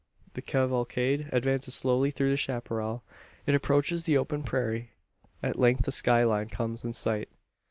The cavalcade advances slowly through the chapparal. It approaches the open prairie. At length the sky line comes in sight.